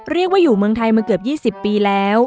เรียกว่าอยู่เมืองไทยมาเกือบ๒๐ปีแล้ว